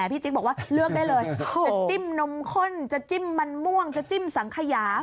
พี่จิ๊กบอกว่าเลือกได้เลยจะจิ้มนมข้นจะจิ้มมันม่วงจะจิ้มสังขยา